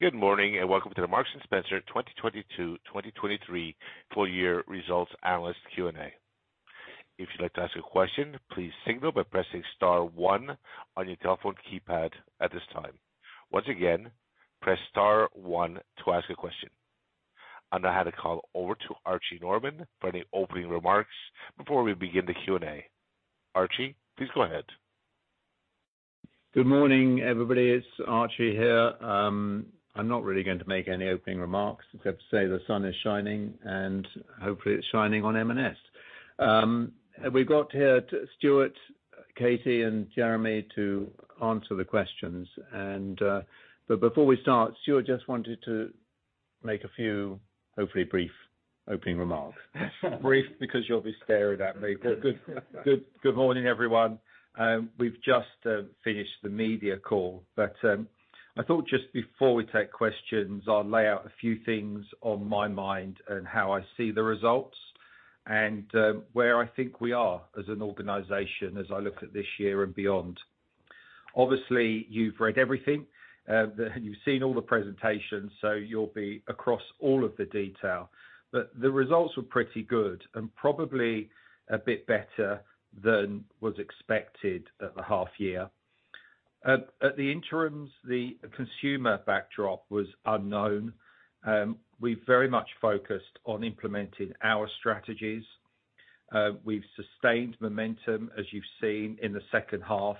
Good morning, welcome to the Marks & Spencer 2022, 2023 full year results analyst Q&A. If you'd like to ask a question, please signal by pressing star one on your telephone keypad at this time. Once again, press star one to ask a question. I hand the call over to Archie Norman for any opening remarks before we begin the Q&A. Archie, please go ahead. Good morning, everybody. It's Archie here. I'm not really going to make any opening remarks except to say the sun is shining, and hopefully it's shining on M&S. We've got here Stuart, Katie, and Jeremy to answer the questions and. Before we start, Stuart just wanted to make a few, hopefully brief, opening remarks. Brief because you'll be staring at me. Good morning, everyone. We've just finished the media call. I thought just before we take questions, I'll lay out a few things on my mind and how I see the results and where I think we are as an organization as I look at this year and beyond. Obviously, you've read everything. You've seen all the presentations. You'll be across all of the detail. The results were pretty good and probably a bit better than was expected at the half year. At the interims, the consumer backdrop was unknown. We very much focused on implementing our strategies. We've sustained momentum, as you've seen in the second half,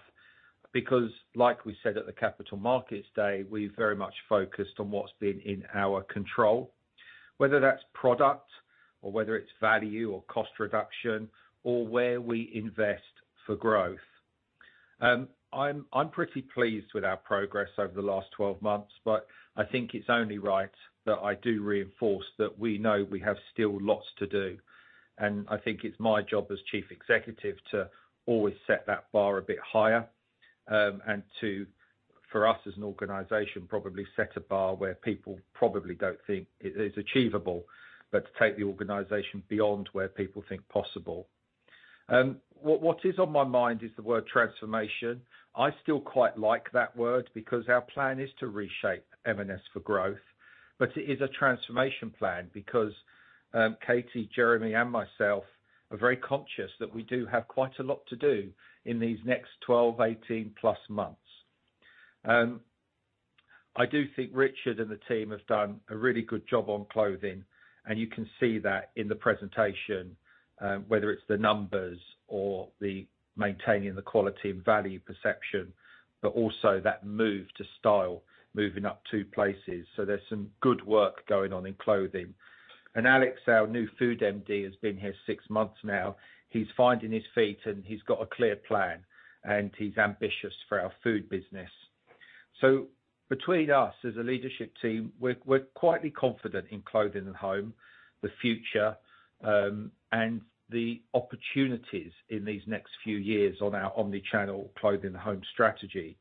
because like we said at the Capital Markets Day, we very much focused on what's been in our control, whether that's product or whether it's value or cost reduction or where we invest for growth. I'm pretty pleased with our progress over the last 12 months, but I think it's only right that I do reinforce that we know we have still lots to do. I think it's my job as chief executive to always set that bar a bit higher, and to, for us as an organization, probably set a bar where people probably don't think it is achievable, but to take the organization beyond where people think possible. What is on my mind is the word transformation. I still quite like that word because our plan is to reshape M&S for growth. It is a transformation plan because Katie, Jeremy, and myself are very conscious that we do have quite a lot to do in these next 12, 18 plus months. I do think Richard and the team have done a really good job on clothing, and you can see that in the presentation, whether it's the numbers or the maintaining the quality and value perception, but also that move to style, moving up to places. There's some good work going on in clothing. Alex, our new food MD, has been here 6 months now. He's finding his feet and he's got a clear plan, and he's ambitious for our food business. Between us as a leadership team, we're quietly confident in clothing and home, the future, and the opportunities in these next few years on our omni-channel clothing and home strategy.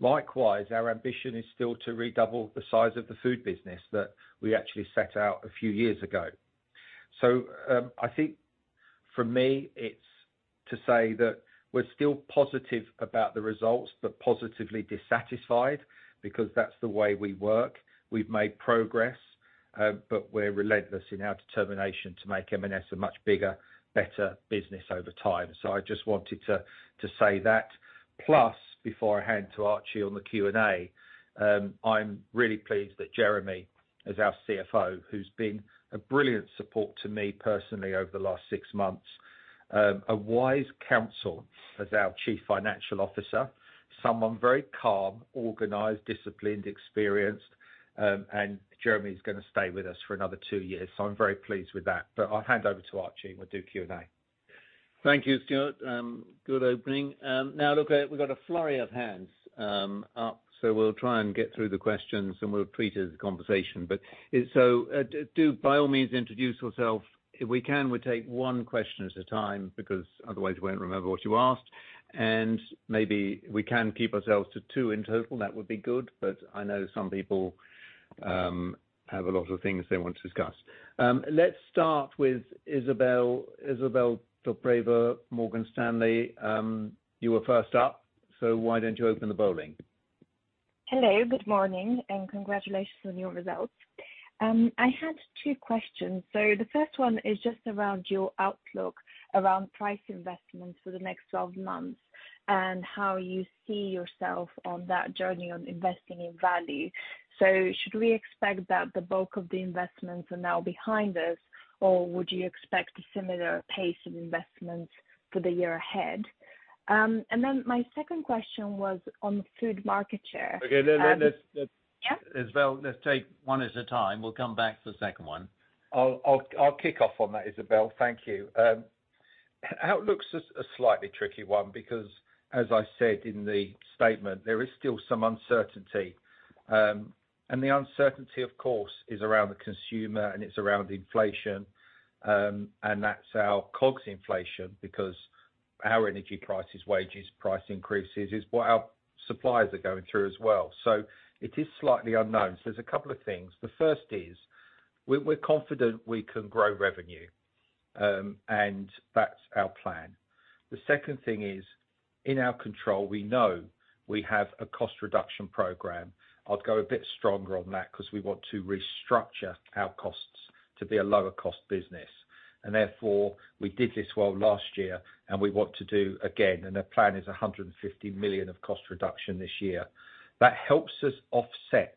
Likewise, our ambition is still to redouble the size of the food business that we actually set out a few years ago. I think for me, it's to say that we're still positive about the results, but positively dissatisfied because that's the way we work. We've made progress, but we're relentless in our determination to make M&S a much bigger, better business over time. I just wanted to say that. Before I hand to Archie on the Q&A, I'm really pleased that Jeremy, as our CFO, who's been a brilliant support to me personally over the last 6 months, a wise counsel as our Chief Financial Officer, someone very calm, organized, disciplined, experienced, Jeremy is going to stay with us for another 2 years. I'm very pleased with that. I'll hand over to Archie, and we'll do Q&A. Thank you, Stuart. Good opening. Now look, we've got a flurry of hands up, we'll try and get through the questions and we'll treat it as a conversation. Do by all means introduce yourself. If we can, we take one question at a time because otherwise we won't remember what you asked. Maybe we can keep ourselves to two in total. That would be good. I know some people have a lot of things they want to discuss. Let's start with Isabelle, Izabela Tomic, Morgan Stanley. You were first up, why don't you open the bowling? Hello, good morning, and congratulations on your results. I had 2 questions. The first one is just around your outlook around price investments for the next 12 months and how you see yourself on that journey on investing in value. Should we expect that the bulk of the investments are now behind us, or would you expect a similar pace of investments for the year ahead? My second question was on the food market share. Okay. Yeah. Isabelle, let's take one at a time. We'll come back to the second one. I'll kick off on that, Isabelle. Thank you. Outlook's a slightly tricky one because as I said in the statement, there is still some uncertainty. The uncertainty, of course, is around the consumer and it's around inflation, and that's our COGS inflation because our energy prices, wages, price increases is what our suppliers are going through as well. It is slightly unknown. There's a couple of things. The first is we're confident we can grow revenue. That's our plan. The second thing is, in our control, we know we have a cost reduction program. I'd go a bit stronger on that because we want to restructure our costs to be a lower cost business. Therefore, we did this well last year and we want to do again. The plan is 150 million of cost reduction this year. That helps us offset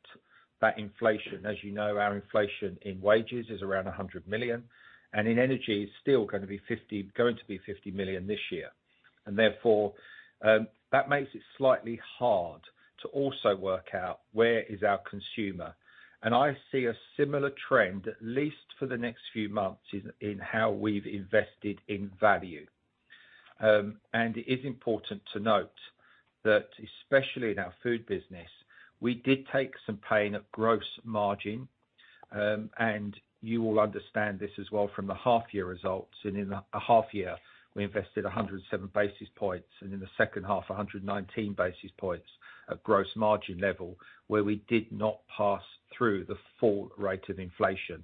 that inflation. As you know, our inflation in wages is around 100 million, and in energy, it's still gonna be 50 million this year. Therefore, that makes it slightly hard to also work out where is our consumer. I see a similar trend, at least for the next few months, in how we've invested in value. It is important to note that especially in our food business, we did take some pain at gross margin. You will understand this as well from the half-year results, and in a half year, we invested 107 basis points, and in the second half, 119 basis points at gross margin level, where we did not pass through the full rate of inflation.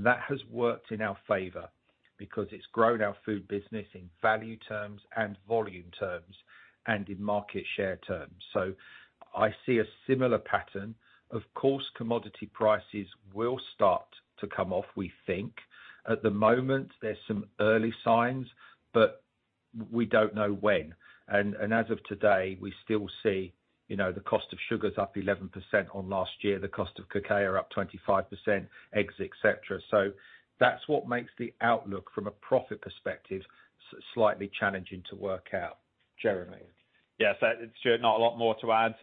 That has worked in our favor because it's grown our food business in value terms and volume terms and in market share terms. I see a similar pattern. Of course, commodity prices will start to come off, we think. At the moment, there's some early signs, but we don't know when. As of today, we still see, you know, the cost of sugar is up 11% on last year, the cost of cacao up 25%, eggs, et cetera. That's what makes the outlook from a profit perspective slightly challenging to work out. Jeremy? Yes. Stuart, not a lot more to add.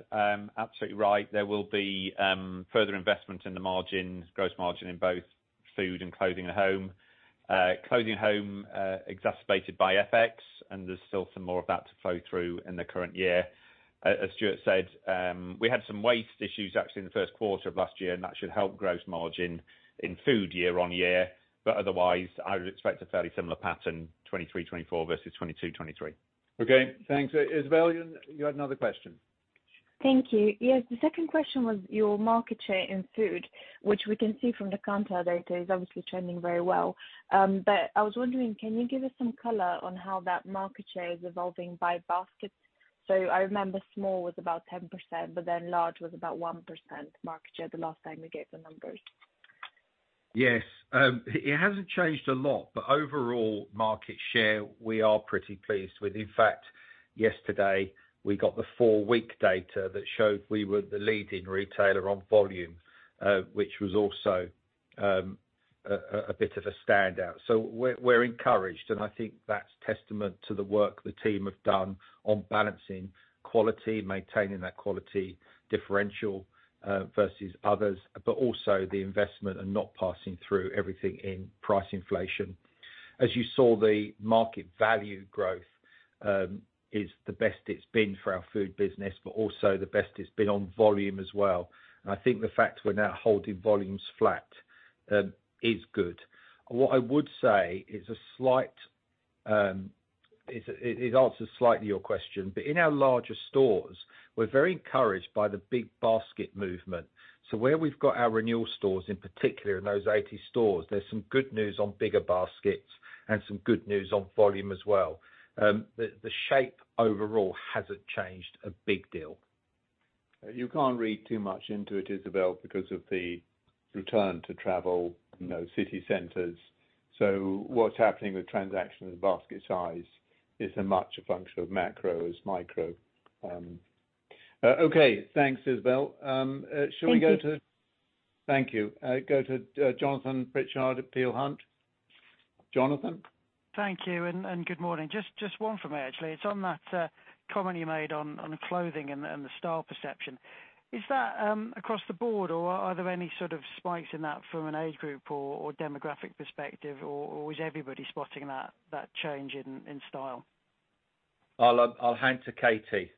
Absolutely right. There will be further investment in the margins, gross margin in both food and clothing and home. Clothing and home, exacerbated by FX, and there's still some more of that to flow through in the current year. As Stuart said, we had some waste issues actually in the first quarter of last year, and that should help gross margin in food year-on-year. Otherwise, I would expect a fairly similar pattern, 2023, 2024 versus 2022, 2023. Okay, thanks. Isabelle, you had another question. Thank you. Yes. The second question was your market share in food, which we can see from the Kantar data is obviously trending very well. I was wondering, can you give us some color on how that market share is evolving by basket? I remember small was about 10%, but then large was about 1% market share the last time we gave the numbers. Yes. It hasn't changed a lot, but overall market share, we are pretty pleased with. In fact, yesterday we got the 4-week data that showed we were the leading retailer on volume, which was also a bit of a standout. We're encouraged, and I think that's testament to the work the team have done on balancing quality, maintaining that quality differential versus others, but also the investment and not passing through everything in price inflation. As you saw, the market value growth is the best it's been for our food business, but also the best it's been on volume as well. I think the fact we're now holding volumes flat is good. What I would say is a slight-- it answers slightly your question. In our larger stores, we're very encouraged by the big basket movement. Where we've got our renewal stores, in particular in those 80 stores, there's some good news on bigger baskets and some good news on volume as well. The shape overall hasn't changed a big deal. You can't read too much into it, Isabelle, because of the return to travel, you know, city centers. What's happening with transaction and basket size is as much a function of macro as micro. Okay, thanks, Isabelle. Shall we go to. Thank you. Thank you. Go to Jonathan Pritchard at Peel Hunt. Jonathan? Thank you. Good morning. Just one from me, actually. It's on that comment you made on clothing and the style perception. Is that across the board or are there any sort of spikes in that from an age group or demographic perspective, or is everybody spotting that change in style? I'll hand to Katie.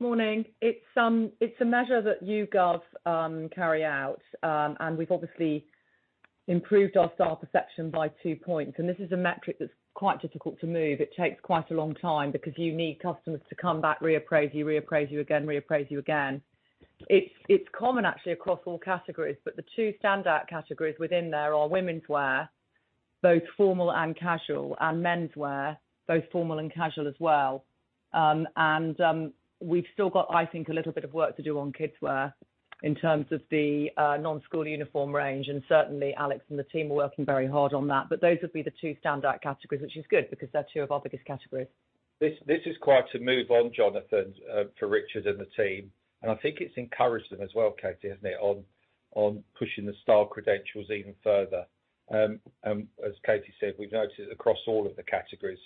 Morning. It's a measure that YouGov carry out. We've obviously improved our style perception by 2 points. This is a metric that's quite difficult to move. It takes quite a long time because you need customers to come back, reappraise you, reappraise you again, reappraise you again. It's common actually across all categories. The 2 standout categories within there are womenswear, both formal and casual, and menswear, both formal and casual as well. We've still got, I think, a little bit of work to do on kidswear in terms of the non-school uniform range, and certainly Alex and the team are working very hard on that. Those would be the 2 standout categories, which is good because they're 2 of our biggest categories. This is quite a move on, Jonathan, for Richard and the team, and I think it's encouraged them as well, Katie, hasn't it, on pushing the style credentials even further? As Katie said, we've noticed across all of the categories.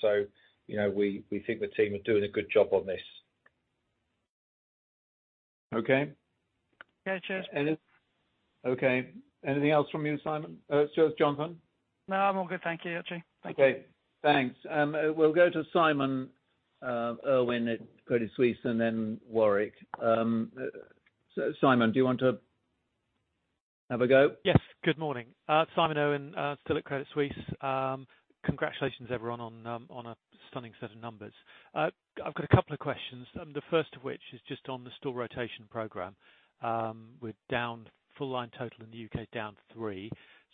You know, we think the team are doing a good job on this. Okay. Yeah. Cheers. Okay. Anything else from you, Simon? Jonathan? No, I'm all good. Thank you, actually. Thank you. Okay. Thanks. We'll go to Simon Irwin at Credit Suisse, then Warwick. Have a go. Yes, good morning.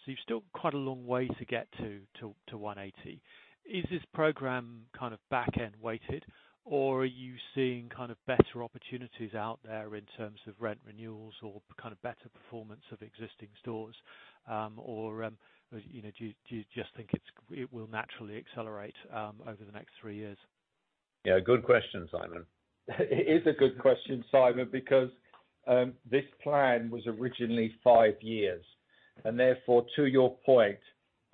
You've still quite a long way to get to 180. Is this program kind of back-end weighted, or are you seeing kind of better opportunities out there in terms of rent renewals or kind of better performance of existing stores, or, you know, do you just think it will naturally accelerate over the next three years? Yeah. Good question, Simon. It is a good question, Simon, because this plan was originally five years, therefore to your point,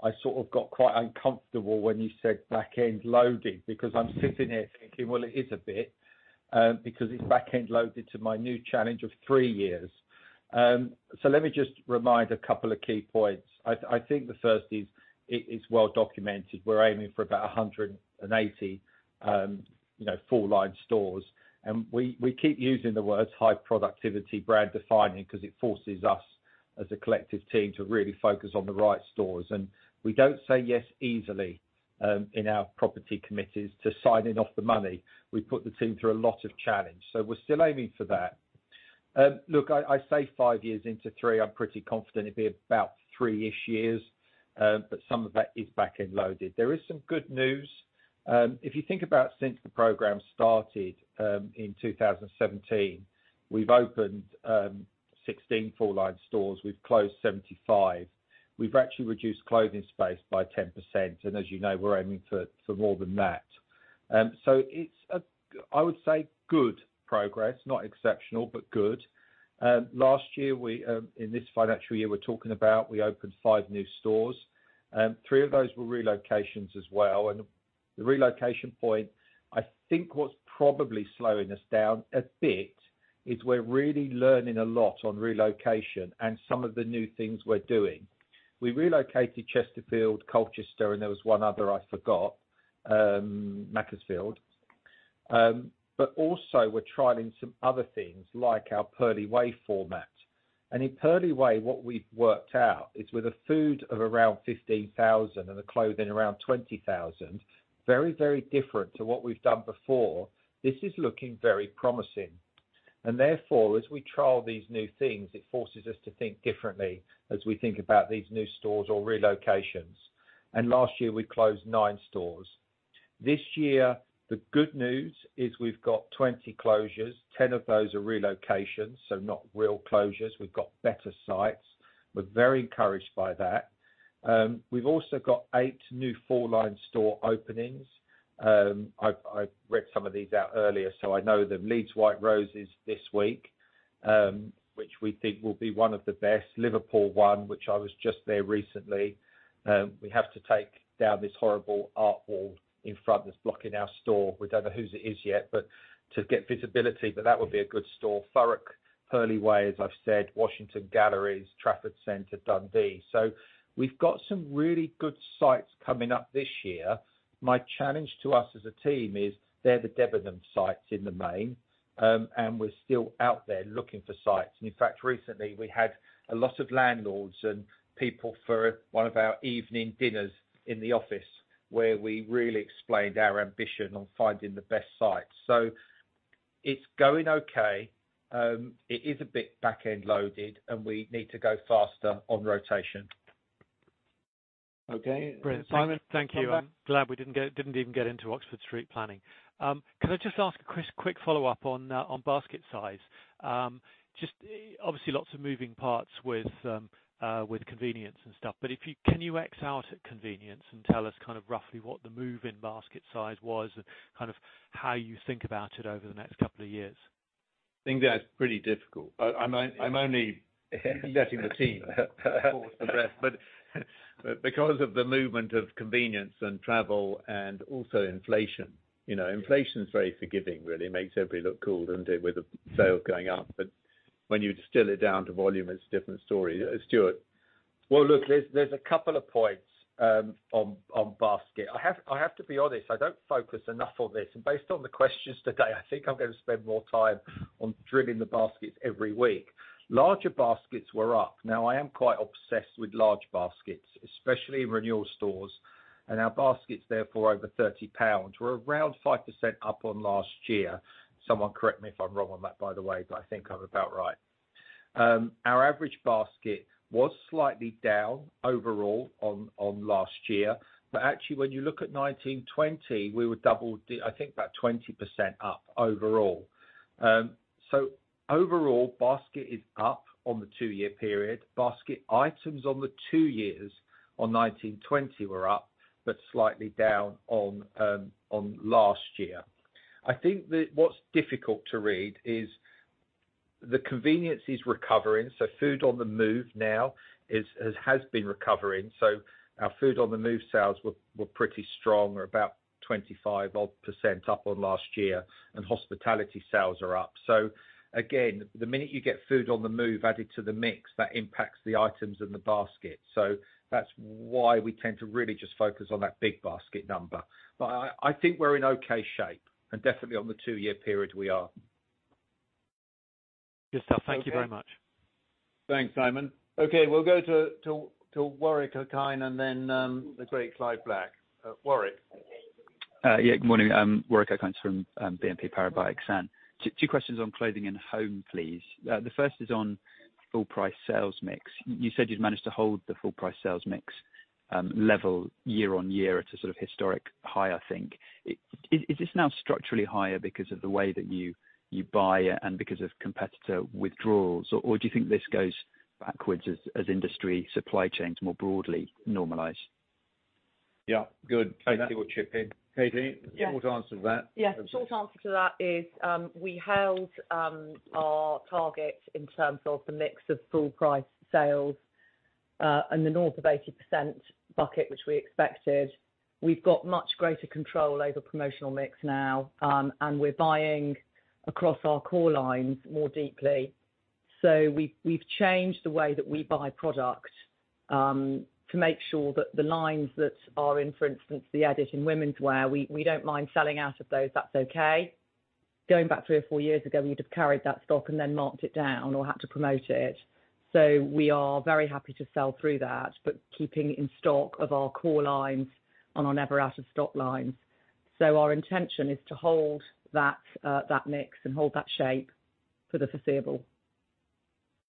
I sort of got quite uncomfortable when you said back-end loading because I'm sitting here thinking, "Well, it is a bit," because it's back-end loaded to my new challenge of three years. Let me just remind a couple of key points. I think the first is it is well documented. We're aiming for about 180, you know, full line stores. We keep using the words high productivity brand defining 'cause it forces us as a collective team to really focus on the right stores. We don't say yes easily in our property committees to signing off the money. We put the team through a lot of challenge, we're still aiming for that. Look, I say 5 years into 3, I'm pretty confident it'll be about 3-ish years, some of that is back-end loaded. There is some good news. If you think about since the program started, in 2017, we've opened 16 full line stores. We've closed 75. We've actually reduced clothing space by 10% as you know, we're aiming for more than that. It's a, I would say good progress, not exceptional, good. Last year we, in this financial year we're talking about, we opened 5 new stores. 3 of those were relocations as well, the relocation point, I think what's probably slowing us down a bit is we're really learning a lot on relocation and some of the new things we're doing. We relocated Chesterfield, Colchester, and there was one other I forgot, Macclesfield. Also we're trialing some other things like our Purley Way format. In Purley Way, what we've worked out is with the food of around 15,000 and the clothing around 20,000, very, very different to what we've done before, this is looking very promising. Therefore, as we trial these new things, it forces us to think differently as we think about these new stores or relocations. Last year we closed nine stores. This year, the good news is we've got 20 closures. 10 of those are relocations, so not real closures. We've got better sites. We're very encouraged by that. We've also got eight new full line store openings. I read some of these out earlier, so I know them. Leeds White Rose is this week, which we think will be one of the best. Liverpool One, which I was just there recently. We have to take down this horrible art wall in front that's blocking our store. We don't know whose it is yet, but to get visibility, but that would be a good store. Thurrock, Purley Way, as I've said, Washington Galleries, Trafford Centre, Dundee. We've got some really good sites coming up this year. My challenge to us as a team is they're the Debenhams sites in the main, and we're still out there looking for sites. In fact, recently we had a lot of landlords and people for one of our evening dinners in the office where we really explained our ambition on finding the best sites. It's going okay. It is a bit back-end loaded, and we need to go faster on rotation. Okay. Brilliant, Simon. Thank you. I'm glad we didn't even get into Oxford Street planning. Could I just ask a quick follow-up on basket size? Just obviously lots of moving parts with convenience and stuff, but Can you X out at convenience and tell us kind of roughly what the move in basket size was and kind of how you think about it over the next couple of years? I think that's pretty difficult. I'm only letting the team address. Because of the movement of convenience and travel and also inflation, you know, inflation's very forgiving, really. Makes everybody look cool, doesn't it, with the sales going up. When you distill it down to volume, it's a different story. Stuart? Well, look, there's a couple of points on basket. I have to be honest, I don't focus enough on this. Based on the questions today, I think I'm gonna spend more time on drilling the baskets every week. Larger baskets were up. Now, I am quite obsessed with large baskets, especially renewal stores and our baskets therefore over 30 pounds. We're around 5% up on last year. Someone correct me if I'm wrong on that, by the way, I think I'm about right. Our average basket was slightly down overall on last year. Actually, when you look at 1920, we were I think about 20% up overall. Overall, basket is up on the two-year period. Basket items on the two years on 1920 were up, but slightly down on last year. I think that what's difficult to read is the convenience is recovering, food on the move now is recovering. Our food on the move sales were pretty strong. We're about 25% odd up on last year, and hospitality sales are up. Again, the minute you get food on the move added to the mix, that impacts the items in the basket. That's why we tend to really just focus on that big basket number. I think we're in okay shape and definitely on the 2-year period, we are. Thank you very much. Thanks, Simon. Okay, we'll go to Warwick Okines, then the great Clive Black. Warwick. Good morning. I'm Warwick Okines from BNP Paribas. Two questions on clothing and home, please. The first is on full price sales mix. You said you'd managed to hold the full price sales mix level year-on-year at a sort of historic high, I think. Is this now structurally higher because of the way that you buy and because of competitor withdrawals? Or do you think this goes backwards as industry supply chains more broadly normalize? Good. Katie will chip in. Katie? Yeah. Short answer to that. Yeah, short answer to that is, we held our target in terms of the mix of full price sales in the north of 80% bucket, which we expected. We've got much greater control over promotional mix now, and we're buying across our core lines more deeply. We've changed the way that we buy product to make sure that the lines that are in, for instance, the edit in women's wear, we don't mind selling out of those, that's okay. Going back 3 or 4 years ago, we would have carried that stock and then marked it down or had to promote it. We are very happy to sell through that, but keeping in stock of our core lines and our never out of stock lines. Our intention is to hold that mix and hold that shape for the foreseeable.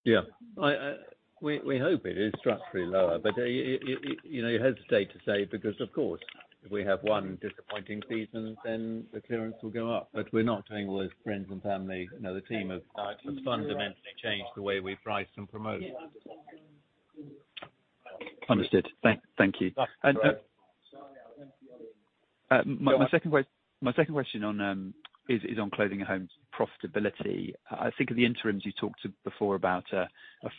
Yeah. I, we hope it is structurally lower, but, you know, you hesitate to say because, of course, if we have one disappointing season, then the clearance will go up. We're not doing all those friends and family. You know, the team have fundamentally changed the way we price and promote. Understood. Thank you. That's great. My second question on is on Clothing & Home profitability. I think at the interims you talked before about a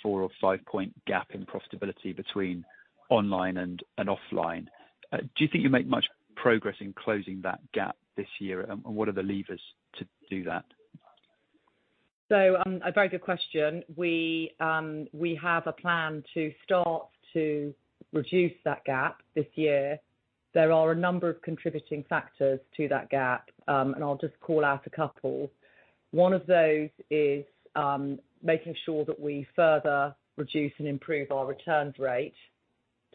4 or 5-point gap in profitability between online and offline. Do you think you make much progress in closing that gap this year? What are the levers to do that? A very good question. We have a plan to start to reduce that gap this year. There are a number of contributing factors to that gap. I'll just call out a couple. One of those is making sure that we further reduce and improve our returns rate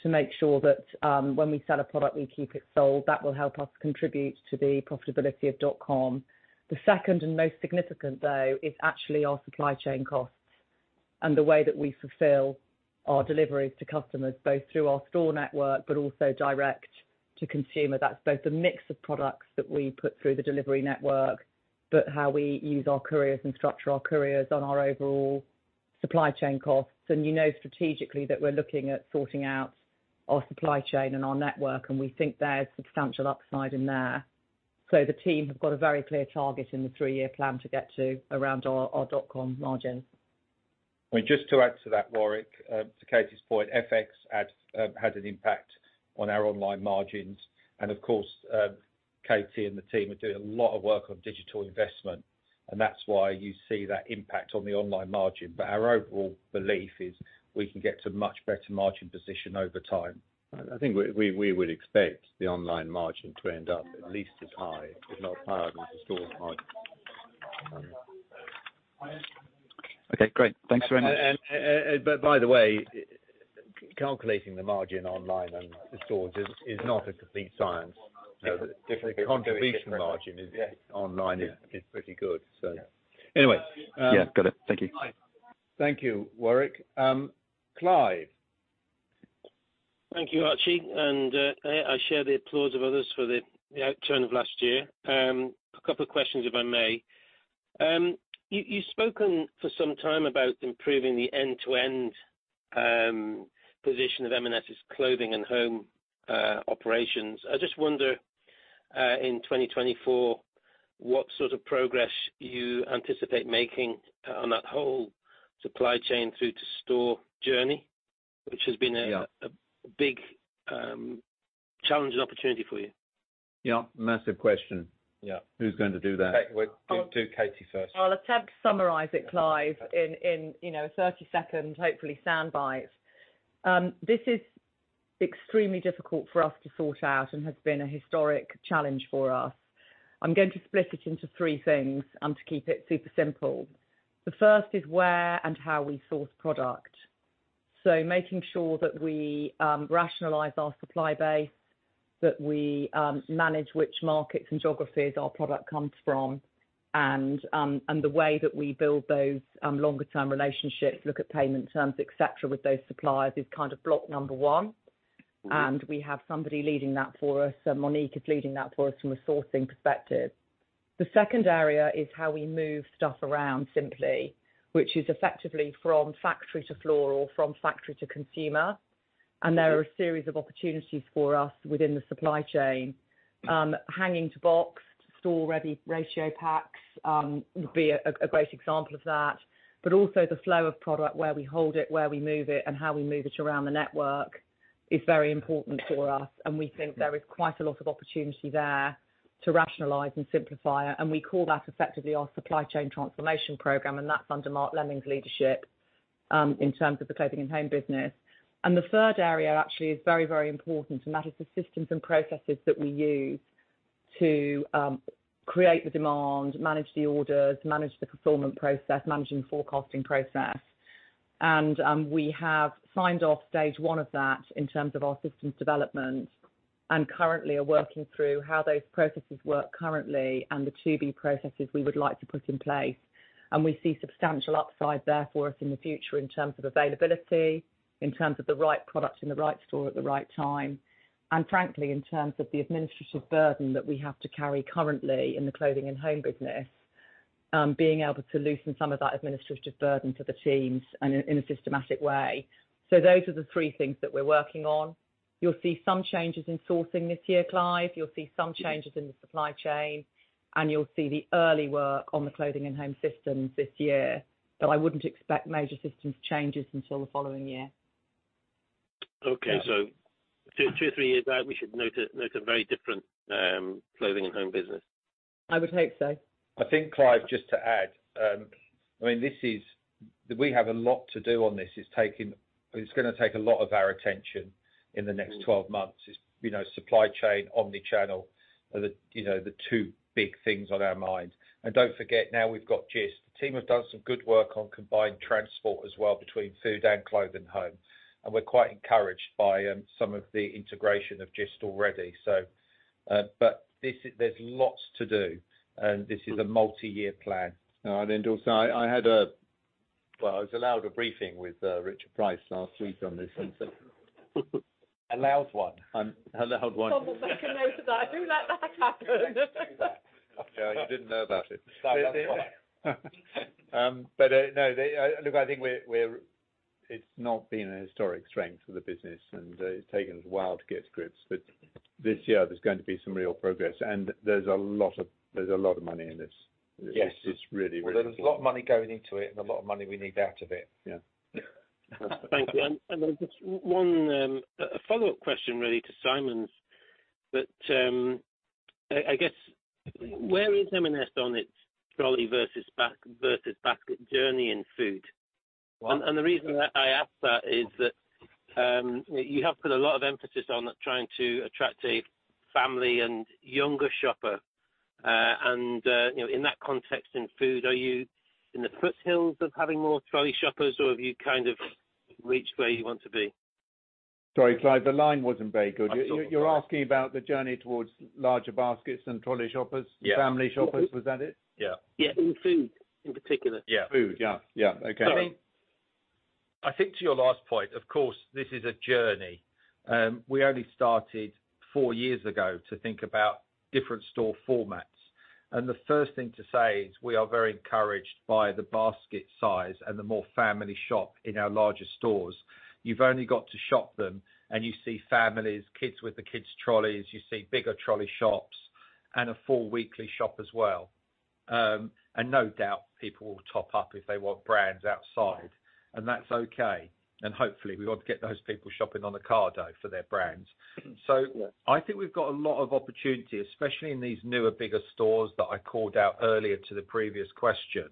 to make sure that when we sell a product, we keep it sold. That will help us contribute to the profitability of M&S.com. The second and most significant, though, is actually our supply chain costs and the way that we fulfill our deliveries to customers, both through our store network, but also direct to consumer. That's both the mix of products that we put through the delivery network, but how we use our couriers and structure our couriers on our overall supply chain costs. You know, strategically, that we're looking at sorting out our supply chain and our network, and we think there's substantial upside in there. The team have got a very clear target in the three-year plan to get to around our M&S.com margin. I mean, just to add to that, Warwick, to Katie's point, FX had an impact on our online margins. Of course, Katie and the team are doing a lot of work on digital investment, and that's why you see that impact on the online margin. Our overall belief is we can get to a much better margin position over time. I think we would expect the online margin to end up at least as high, if not higher than the store margin. Okay, great. Thanks very much. But by the way, calculating the margin online and the stores is not a complete science. The contribution margin is online is pretty good. Anyway. Yeah, got it. Thank you. Thank you, Warwick. Clive. Thank you, Archie. I share the applause of others for the outcome of last year. A couple of questions, if I may. You've spoken for some time about improving the end-to-end position of M&S's Clothing & Home operations. I just wonder in 2024, what sort of progress you anticipate making on that whole supply chain through to store journey, which has been. Yeah. -a big, challenge and opportunity for you. Yeah. Massive question. Yeah. Who's going to do that? Katie, we'll do Katie first. I'll attempt to summarize it, Clive, in, you know, 30-second, hopefully soundbites. This is extremely difficult for us to sort out and has been a historic challenge for us. I'm going to split it into 3 things to keep it super simple. The first is where and how we source product. Making sure that we rationalize our supply base, that we manage which markets and geographies our product comes from, and the way that we build those longer term relationships, look at payment terms, et cetera, with those suppliers is kind of block number 1. We have somebody leading that for us. Monique is leading that for us from a sourcing perspective. The second area is how we move stuff around simply, which is effectively from factory to floor or from factory to consumer. There are a series of opportunities for us within the supply chain, hanging to box to store ready ratio packs, would be a great example of that. Also the flow of product, where we hold it, where we move it, and how we move it around the network is very important for us. We think there is quite a lot of opportunity there to rationalize and simplify it. We call that effectively our supply chain transformation program, and that's under Mark Lemming's leadership in terms of the Clothing & Home business. The third area actually is very, very important and that is the systems and processes that we use to create the demand, manage the orders, manage the fulfillment process, manage the forecasting process. We have signed off stage 1 of that in terms of our systems development and currently are working through how those processes work currently and the to-be processes we would like to put in place. We see substantial upside there for us in the future in terms of availability, in terms of the right product in the right store at the right time, and frankly, in terms of the administrative burden that we have to carry currently in the Clothing & Home business, being able to loosen some of that administrative burden for the teams in a systematic way. Those are the three things that we're working on. You'll see some changes in sourcing this year, Clive. You'll see some changes in the supply chain, and you'll see the early work on the Clothing & Home systems this year. I wouldn't expect major systems changes until the following year. Okay. two, three years out, we should note a very different, Clothing & Home business. I would hope so. I think, Clive, just to add, I mean, we have a lot to do on this. It's gonna take a lot of our attention in the next 12 months. It's, you know, supply chain, omni-channel are the, you know, the two big things on our mind. Don't forget, now we've got Gist. The team have done some good work on combined transport as well between food and clothing home. We're quite encouraged by some of the integration of Gist already, so. There's lots to do, and this is a multi-year plan. Also Well, I was allowed a briefing with Richard Price last week on this and so Allowed one. Allowed one. Someone make a note of that. Who let that happen? Yeah, he didn't know about it. No, look, I think we're. It's not been a historic strength for the business, and it's taken a while to get to grips. This year there's going to be some real progress, and there's a lot of money in this. Yes. It's really, really important. Well, there's a lot of money going into it and a lot of money we need out of it. Yeah. Thank you. Just a follow-up question really to Simon's that I guess where is M&S on its trolley versus basket journey in food? What? The reason I ask that is that you have put a lot of emphasis on trying to attract a family and younger shopper. You know, in that context in food, are you in the foothills of having more trolley shoppers or have you kind of reached where you want to be? Sorry, Clive, the line wasn't very good. You're asking about the journey towards larger baskets and trolley shoppers? Yeah. Family shoppers, was that it? Yeah. Yeah, in food in particular. Yeah. Food. Yeah, yeah. Okay. I think to your last point, of course, this is a journey. We only started four years ago to think about different store formats. The first thing to say is we are very encouraged by the basket size and the more family shop in our larger stores. You've only got to shop them, and you see families, kids with the kids' trolleys, you see bigger trolley shops and a full weekly shop as well. No doubt people will top up if they want brands outside, and that's okay. Hopefully, we want to get those people shopping on Ocado for their brands. I think we've got a lot of opportunity, especially in these newer, bigger stores that I called out earlier to the previous question.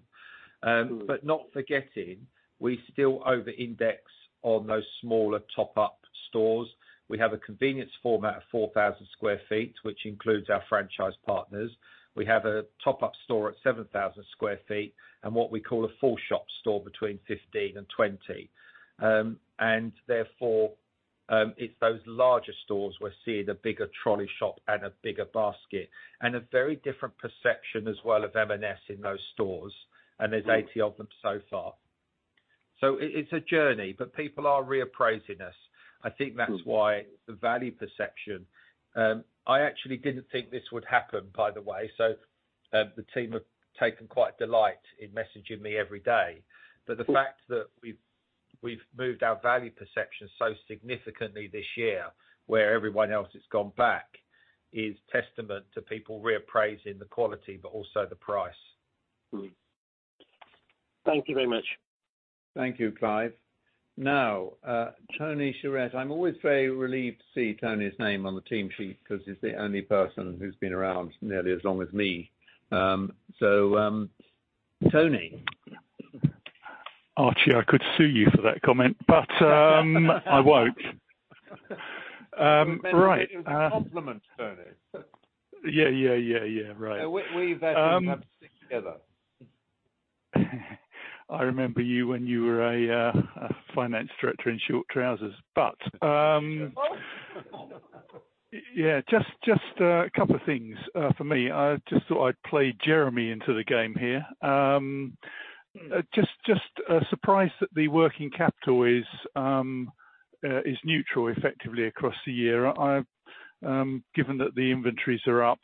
Not forgetting, we still over-index on those smaller top-up stores. We have a convenience format of 4,000 sq ft, which includes our franchise partners. We have a top-up store at 7,000 sq ft and what we call a full shop store between 15 and 20. Therefore, it's those larger stores we're seeing a bigger trolley shop and a bigger basket, and a very different perception as well of M&S in those stores, and there's 80 of them so far. It's a journey, but people are reappraising us. I think that's why the value perception. I actually didn't think this would happen, by the way. The team have taken quite delight in messaging me every day. The fact that we've moved our value perception so significantly this year, where everyone else has gone back, is testament to people reappraising the quality but also the price. Thank you very much. Thank you, Clive. Now, Tony Shiret. I'm always very relieved to see Tony's name on the team sheet because he's the only person who's been around nearly as long as me. Tony. Archie, I could sue you for that comment, but I won't. Right. It was a compliment, Tony. Yeah, yeah, yeah. Right. We veteran have to stick together. I remember you when you were a finance director in short trousers. Yeah, just a couple of things for me. I just thought I'd play Jeremy into the game here. Just surprised that the working capital is neutral effectively across the year. I, given that the inventories are up,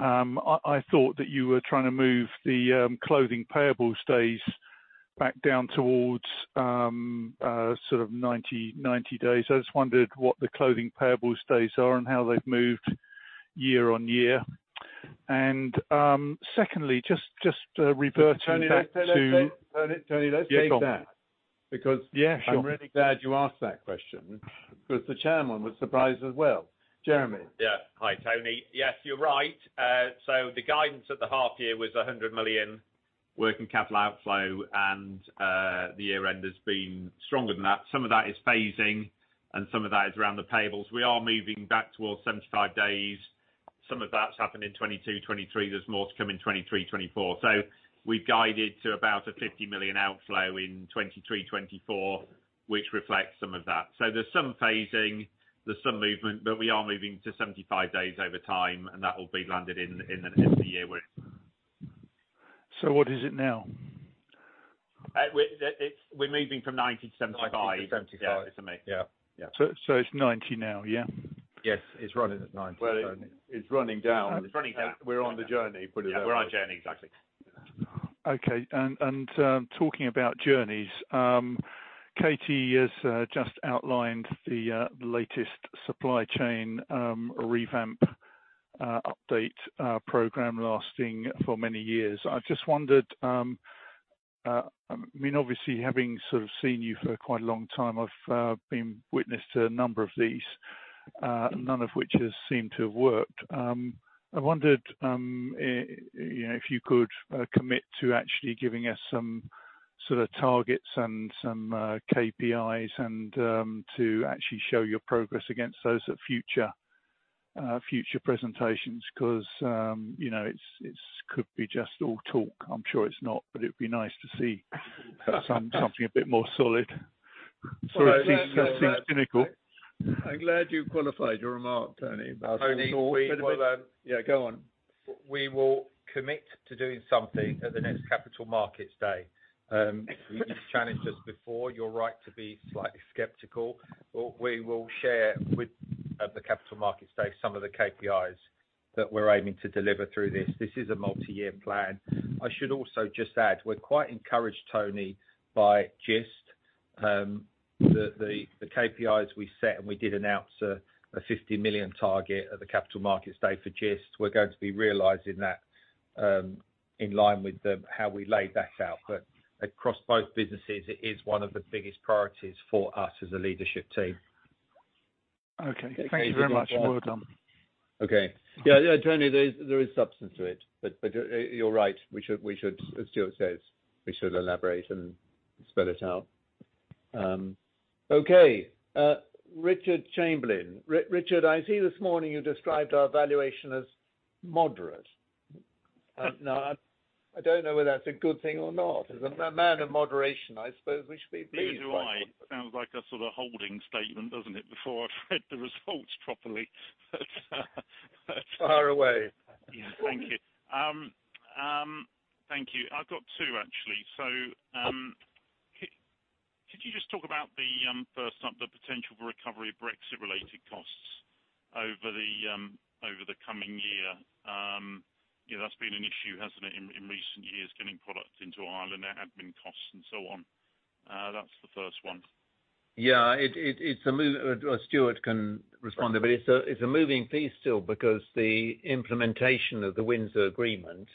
I thought that you were trying to move the clothing payable days back down towards sort of 90 days. I just wondered what the clothing payable days are and how they've moved year-on-year. Secondly, just reverting back to- Tony, let's take that. Yeah, sure. I'm really glad you asked that question because the chairman was surprised as well. Jeremy. Yeah. Hi, Tony. Yes, you're right. The guidance at the half year was 100 million Working capital outflow, the year end has been stronger than that. Some of that is phasing and some of that is around the payables. We are moving back towards 75 days. Some of that's happened in 2022, 2023. There's more to come in 2023, 2024. We've guided to about a 50 million outflow in 2023, 2024, which reflects some of that. There's some phasing, there's some movement, we are moving to 75 days over time, that will be landed in the next year with. What is it now? We're moving from 90 to 75. 90 to 75. Yeah. Yeah. It's 90 now, yeah? Yes. It's running at 90. Well, it's running down. It's running down. We're on the journey, put it that way. Yeah, we're on a journey. Exactly. Okay. Talking about journeys, Katie has just outlined the latest supply chain revamp update program lasting for many years. I just wondered, I mean, obviously, having sort of seen you for quite a long time, I've been witness to a number of these, none of which has seemed to have worked. I wondered, you know, if you could commit to actually giving us some sort of targets and some KPIs and to actually show your progress against those at future future presentations, because, you know, it's could be just all talk. I'm sure it's not, but it'd be nice to see something a bit more solid. Sorry if this seems cynical. I'm glad you qualified your remark, Tony. Tony, Yeah, go on. We will commit to doing something at the next Capital Markets Day. You've challenged us before. You're right to be slightly skeptical. We will share with, at the Capital Markets Day, some of the KPIs that we're aiming to deliver through this. This is a multi-year plan. I should also just add, we're quite encouraged, Tony, by GIST. The KPIs we set, and we did announce a 50 million target at the Capital Markets Day for GIST. We're going to be realizing that in line with how we laid that out. Across both businesses, it is one of the biggest priorities for us as a leadership team. Okay. Thank you very much. Well done. Okay. Yeah, Tony, there is substance to it. You're right. We should, as Stuart says, we should elaborate and spell it out. Okay. Richard Chamberlain. Richard, I see this morning you described our valuation as moderate. I don't know whether that's a good thing or not. As a man of moderation, I suppose we should be pleased by it. Neither do I. Sounds like a sort of holding statement, doesn't it? Before I've read the results properly. Far away. Yeah. Thank you. Thank you. I've got 2, actually. Could you just talk about the first up, the potential recovery of Brexit related costs over the over the coming year? You know, that's been an issue, hasn't it, in recent years, getting product into Ireland, their admin costs and so on. That's the first one. Yeah, it's a move, Stuart can respond, but it's a moving piece still because the implementation of the Windsor agreement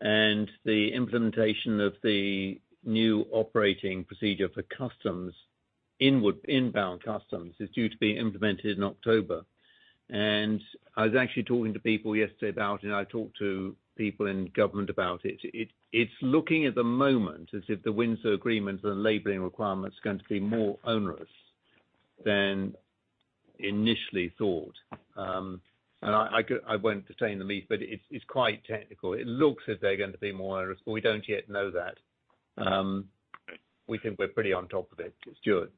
and the implementation of the new operating procedure for customs, inward, inbound customs, is due to be implemented in October. I was actually talking to people yesterday about it. I talked to people in government about it. It's looking at the moment as if the Windsor agreements and the labeling requirement is going to be more onerous than initially thought. I won't detain the meek, but it's quite technical. It looks as they're going to be more onerous, but we don't yet know that. We think we're pretty on top of it. Stuart.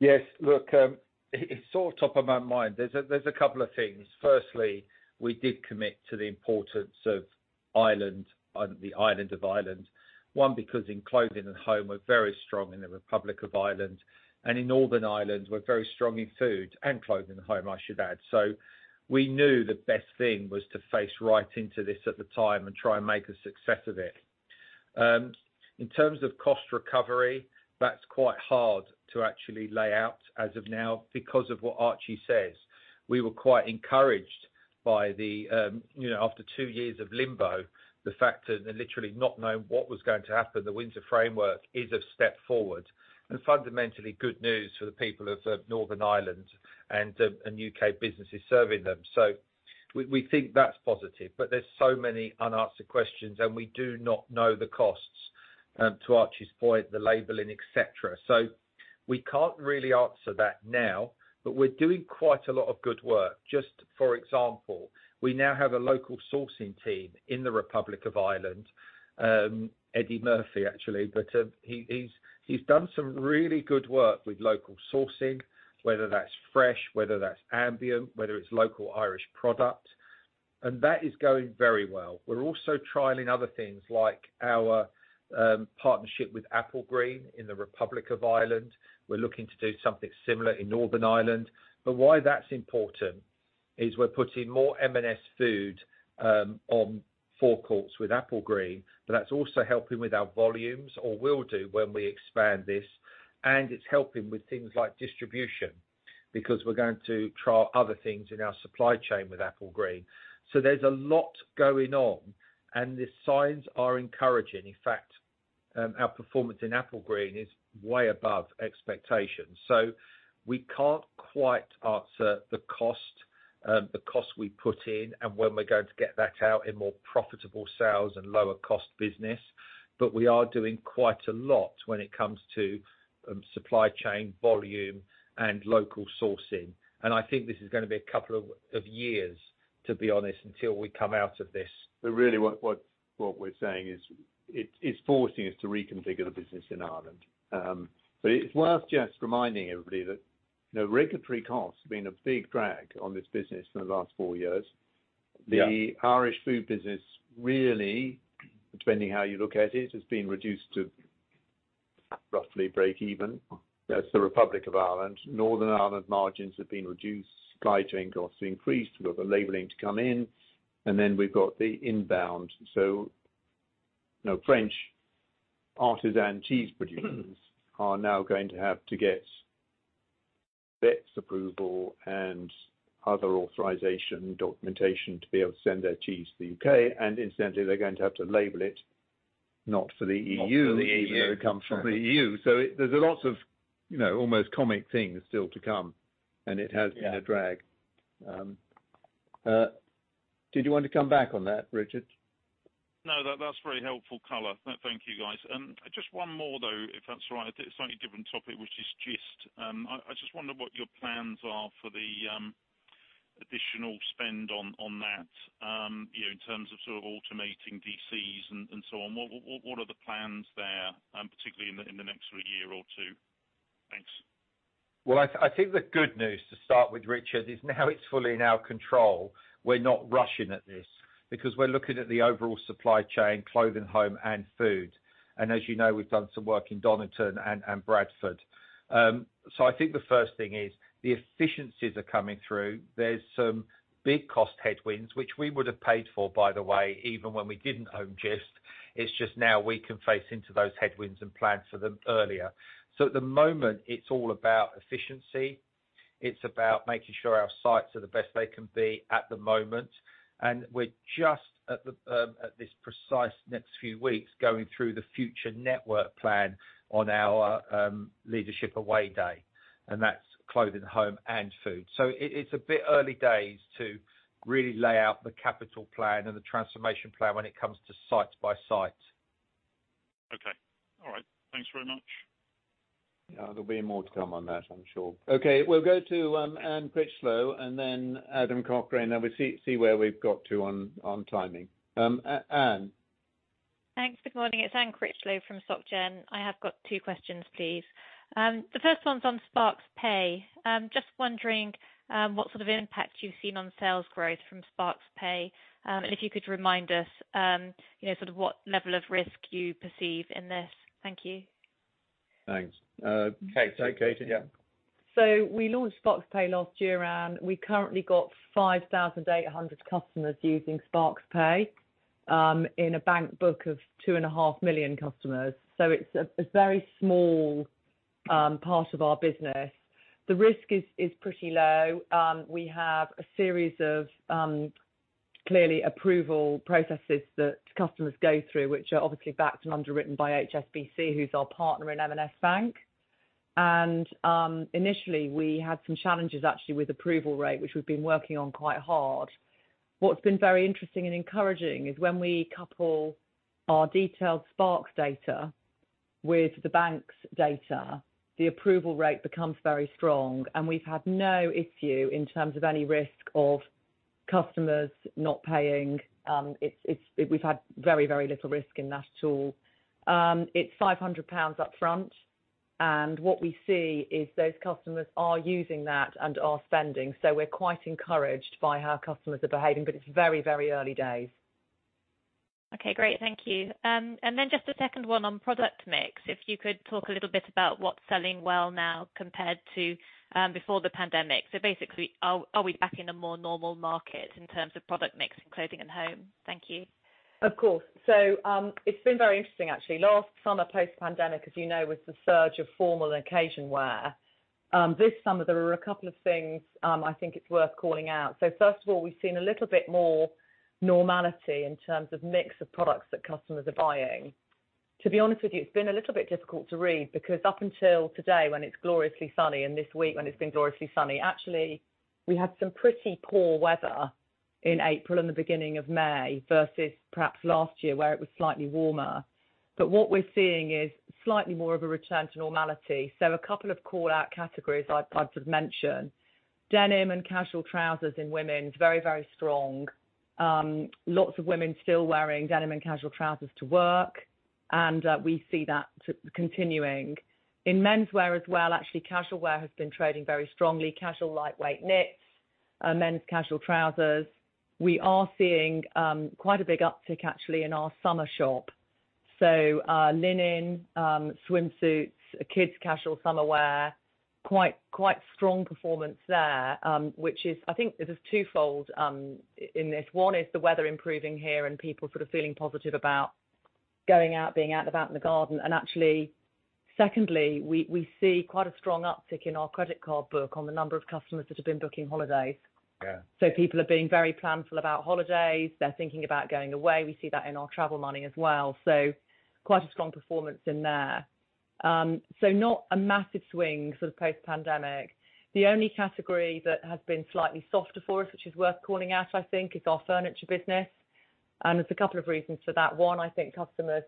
Yes. Look, it's sort of top of my mind. There's a couple of things. Firstly, we did commit to the importance of Ireland on the island of Ireland. One, because in clothing and home, we're very strong in the Republic of Ireland. In Northern Ireland, we're very strong in food and clothing and home, I should add. We knew the best thing was to face right into this at the time and try and make a success of it. In terms of cost recovery, that's quite hard to actually lay out as of now because of what Archie says. We were quite encouraged by the, you know, after two years of limbo, the fact that literally not knowing what was going to happen, the Windsor Framework is a step forward and fundamentally good news for the people of Northern Ireland and the UK businesses serving them. We, we think that's positive, but there's so many unanswered questions, and we do not know the costs, to Archie's point, the labeling, etc. We can't really answer that now, but we're doing quite a lot of good work. Just for example, we now have a local sourcing team in the Republic of Ireland, Eddie Murphy, actually. He's done some really good work with local sourcing, whether that's fresh, whether that's ambient, whether it's local Irish product. That is going very well. We're also trialing other things like our partnership with Applegreen in the Republic of Ireland. We're looking to do something similar in Northern Ireland. Why that's important is we're putting more M&S food on forecourts with Applegreen, but that's also helping with our volumes or will do when we expand this. It's helping with things like distribution because we're going to trial other things in our supply chain with Applegreen. There's a lot going on and the signs are encouraging. In fact, our performance in Applegreen is way above expectations. We can't quite answer the cost, the cost we put in and when we're going to get that out in more profitable sales and lower cost business. We are doing quite a lot when it comes to supply chain volume and local sourcing. I think this is gonna be a couple of years, to be honest, until we come out of this. Really what we're saying is it is forcing us to reconfigure the business in Ireland. It's worth just reminding everybody that the regulatory cost has been a big drag on this business for the last four years. Yeah. The Irish food business really, depending how you look at it, has been reduced to roughly break even. That's the Republic of Ireland. Northern Ireland margins have been reduced, supply chain costs increased. We've got the labeling to come in. We've got the inbound. you know, French artisan cheese producers are now going to have to get VETs approval and other authorization documentation to be able to send their cheese to the UK, incidentally, they're going to have to label it not for the EU- Not for the EU. Even though it comes from the EU. There's lots of, you know, almost comic things still to come, and it has been a drag. Did you want to come back on that, Richard? No, that's very helpful color. No, thank you, guys. Just one more though, if that's all right. A slightly different topic, which is Gist. I just wonder what your plans are for the additional spend on that, you know, in terms of sort of automating DCs and so on. What are the plans there, particularly in the next year or two? Thanks. I think the good news, to start with Richard, is now it's fully in our control. We're not rushing at this because we're looking at the overall supply chain, clothing, home, and food. As you know, we've done some work in Donington and Bradford. I think the first thing is the efficiencies are coming through. There's some big cost headwinds, which we would have paid for, by the way, even when we didn't own Gist. It's just now we can face into those headwinds and plan for them earlier. At the moment, it's all about efficiency. It's about making sure our sites are the best they can be at the moment. We're just at the, at this precise next few weeks, going through the future network plan on our leadership away day, and that's clothing, home, and food. It's a bit early days to really lay out the capital plan and the transformation plan when it comes to site by site. Okay. All right. Thanks very much. There'll be more to come on that, I'm sure. We'll go to Anne Critchlow and then Adam Cochrane, and we'll see where we've got to on timing. Anne? Thanks. Good morning. It's Anne Critchlow from Société Générale. I have got two questions, please. The first one's on Sparks Pay. Just wondering what sort of impact you've seen on sales growth from Sparks Pay, and if you could remind us, you know, sort of what level of risk you perceive in this. Thank you. Thanks. Kate, take it, yeah. We launched Sparks Pay last year, Anne. We currently got 5,800 customers using Sparks Pay, in a bank book of 2.5 million customers. It's a very small part of our business. The risk is pretty low. We have a series of clearly approval processes that customers go through, which are obviously backed and underwritten by HSBC, who's our partner in M&S Bank. Initially, we had some challenges actually with approval rate, which we've been working on quite hard. What's been very interesting and encouraging is when we couple our detailed Sparks data with the bank's data, the approval rate becomes very strong, and we've had no issue in terms of any risk of customers not paying. We've had very little risk in that at all. It's 500 pounds up front, and what we see is those customers are using that and are spending, so we're quite encouraged by how customers are behaving, but it's very, very early days. Okay, great. Thank you. Just a second one on product mix, if you could talk a little bit about what's selling well now compared to before the pandemic. Basically, are we back in a more normal market in terms of product mix in clothing and home? Thank you. Of course. It's been very interesting actually. Last summer, post-pandemic, as you know, was the surge of formal and occasion wear. This summer, there were a couple of things I think it's worth calling out. First of all, we've seen a little bit more normality in terms of mix of products that customers are buying. To be honest with you, it's been a little bit difficult to read because up until today, when it's gloriously sunny, and this week when it's been gloriously sunny, actually, we had some pretty poor weather in April and the beginning of May versus perhaps last year where it was slightly warmer. What we're seeing is slightly more of a return to normality. A couple of call-out categories I'd sort of mention, denim and casual trousers in women, very, very strong. Lots of women still wearing denim and casual trousers to work. We see that continuing. In menswear as well, actually, casual wear has been trading very strongly, casual lightweight knits, men's casual trousersWe are seeing quite a big uptick actually in our summer shop. Linen, swimsuits, kids' casual summer wear, quite strong performance there, which I think it is twofold in this. One is the weather improving here and people sort of feeling positive about going out, being out about in the garden. Secondly, we see quite a strong uptick in our credit card book on the number of customers that have been booking holidays. Yeah. People are being very planful about holidays. They're thinking about going away. We see that in our travel money as well. Quite a strong performance in there. Not a massive swing for the post-pandemic. The only category that has been slightly softer for us, which is worth calling out, I think, is our furniture business. There's a couple of reasons for that. One, I think customers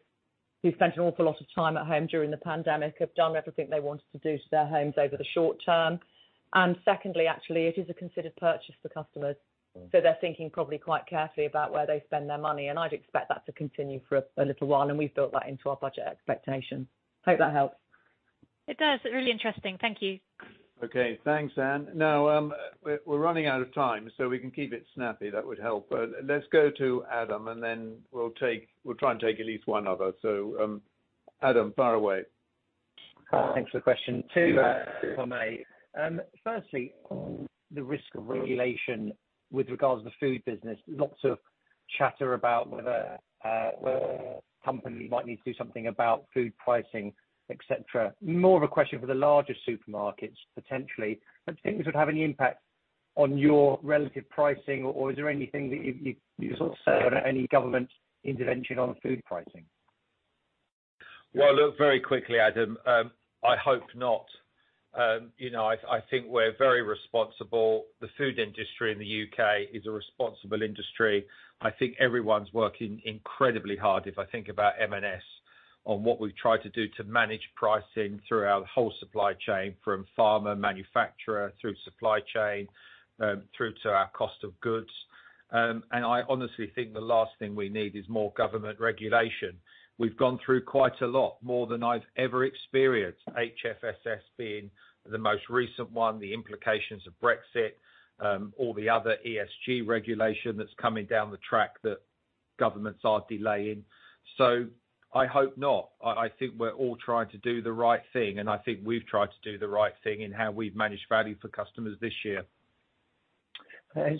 who spent an awful lot of time at home during the pandemic have done everything they wanted to do to their homes over the short term. Secondly, actually, it is a considered purchase for customers. They're thinking probably quite carefully about where they spend their money, and I'd expect that to continue for a little while, and we've built that into our budget expectations. Hope that helps. It does. Really interesting. Thank you. Okay, thanks, Anne. We're running out of time, so we can keep it snappy. That would help. Let's go to Adam, and then we'll try and take at least one other. Adam, fire away. Thanks for the question. 2, if I may. Firstly, the risk of regulation with regards to the food business. Lots of chatter about whether companies might need to do something about food pricing, et cetera. More of a question for the larger supermarkets, potentially. Do you think this would have any impact on your relative pricing or is there anything that you sort of sell any government intervention on food pricing? Look, very quickly, Adam. I hope not. You know, I think we're very responsible. The food industry in the U.K. is a responsible industry. I think everyone's working incredibly hard. If I think about M&S on what we've tried to do to manage pricing through our whole supply chain from farmer, manufacturer, through supply chain, through to our cost of goods. I honestly think the last thing we need is more government regulation. We've gone through quite a lot, more than I've ever experienced. HFSS being the most recent one, the implications of Brexit, all the other ESG regulation that's coming down the track that governments are delaying. I hope not. I think we're all trying to do the right thing, and I think we've tried to do the right thing in how we've managed value for customers this year.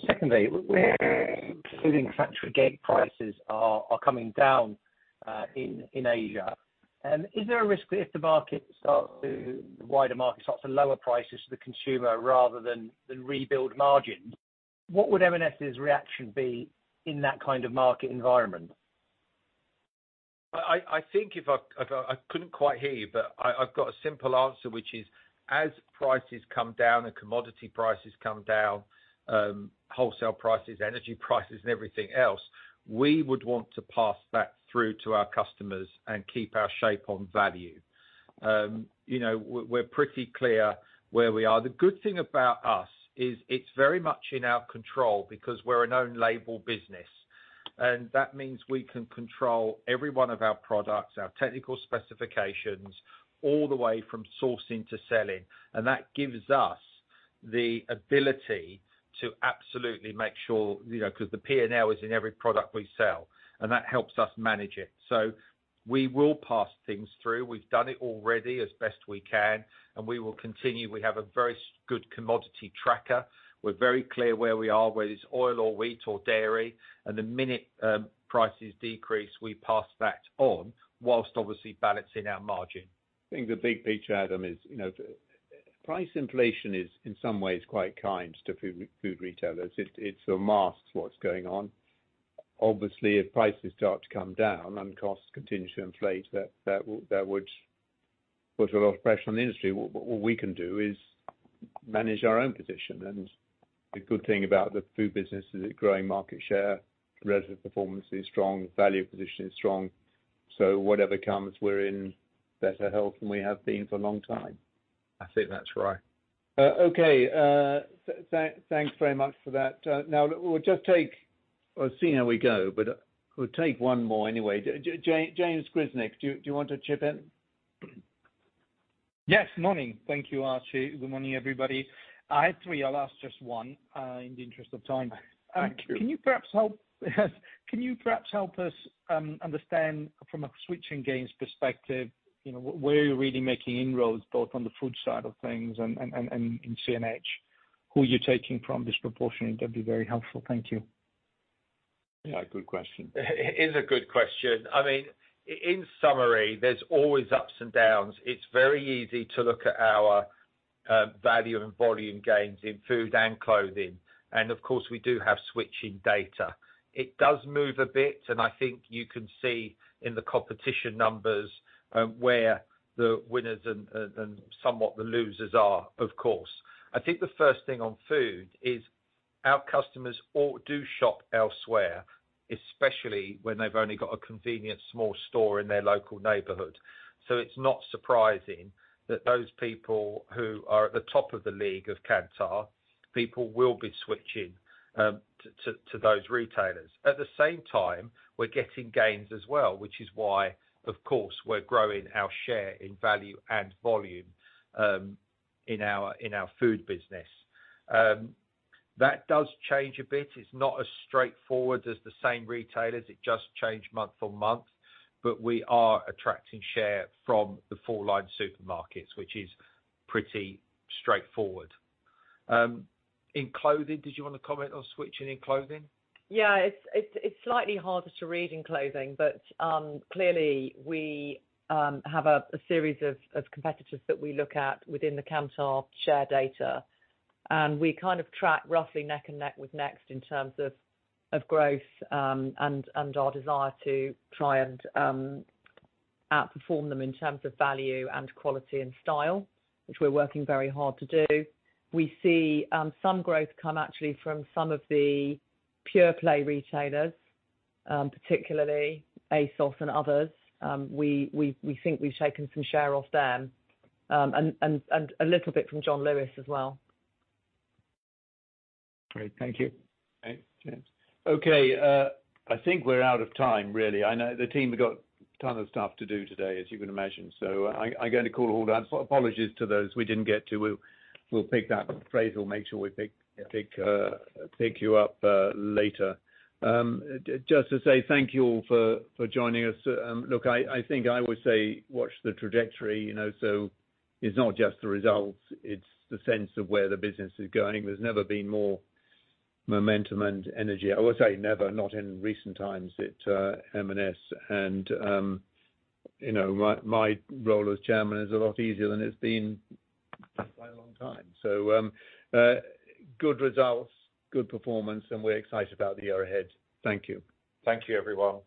Secondly, we're including factory gate prices are coming down in Asia. Is there a risk that if the market starts to the wider market starts to lower prices to the consumer rather than rebuild margins, what would M&S' reaction be in that kind of market environment? I think I couldn't quite hear you, but I've got a simple answer, which is, as prices come down and commodity prices come down, wholesale prices, energy prices and everything else, we would want to pass that through to our customers and keep our shape on value. You know, we're pretty clear where we are. The good thing about us is it's very much in our control because we're an own label business, and that means we can control every one of our products, our technical specifications, all the way from sourcing to selling. That gives us the ability to absolutely make sure, you know, 'cause the P&L is in every product we sell, that helps us manage it. We will pass things through. We've done it already as best we can, and we will continue. We have a very good commodity tracker. We're very clear where we are, whether it's oil or wheat or dairy, the minute prices decrease, we pass that on while obviously balancing our margin. I think the big picture, Adam, is, you know, price inflation is in some ways quite kind to food retailers. It sort of masks what's going on. Obviously, if prices start to come down and costs continue to inflate, that would put a lot of pressure on the industry. What we can do is manage our own position. The good thing about the food business is it's growing market share, relative performance is strong, value position is strong. Whatever comes, we're in better health than we have been for a long time. I think that's right. Okay. Thanks very much for that. Now we'll just take, we'll see how we go, but we'll take one more anyway. James Grzinic, do you want to chip in? Yes. Morning. Thank you, Archie. Good morning, everybody. I had 3. I'll ask just 1 in the interest of time. Thank you. Can you perhaps help us understand from a switching gains perspective, you know, where are you really making inroads, both on the food side of things and in C&H? Who are you taking from disproportionately? That'd be very helpful. Thank you. Yeah, good question. It is a good question. I mean, in summary, there's always ups and downs. It's very easy to look at our value and volume gains in food and clothing. Of course, we do have switching data. It does move a bit. I think you can see in the competition numbers where the winners and somewhat the losers are, of course. I think the first thing on food is our customers all do shop elsewhere, especially when they've only got a convenient small store in their local neighborhood. It's not surprising that those people who are at the top of the league of Kantar, people will be switching to those retailers. At the same time, we're getting gains as well, which is why, of course, we're growing our share in value and volume in our food business. That does change a bit. It's not as straightforward as the same retailers. It just change month to month. We are attracting share from the full line supermarkets, which is pretty straightforward. In clothing, did you wanna comment on switching in clothing? Yeah. It's slightly harder to read in clothing, but clearly we have a series of competitors that we look at within the Kantar share data, and we kind of track roughly neck and neck with Next in terms of growth, and our desire to try and outperform them in terms of value and quality and style, which we're working very hard to do. We see some growth come actually from some of the pure play retailers, particularly ASOS and others. We think we've shaken some share off them, and a little bit from John Lewis as well. Great. Thank you. Thanks, James. Okay, I think we're out of time, really. I know the team have got ton of stuff to do today, as you can imagine. I'm going to call it all that. Apologies to those we didn't get to. We'll pick that phrase. We'll make sure we pick you up later. Just to say thank you all for joining us. Look, I think I would say watch the trajectory, you know. It's not just the results, it's the sense of where the business is going. There's never been more momentum and energy. I would say never, not in recent times at M&S. You know, my role as chairman is a lot easier than it's been for quite a long time. Good results, good performance, and we're excited about the year ahead. Thank you. Thank you, everyone.